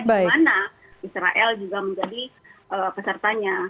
di mana israel juga menjadi pesertanya